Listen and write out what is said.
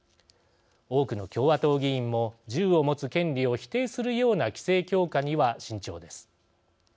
多くの共和党議員も銃を持つ権利を否定するような規制強化には慎重です。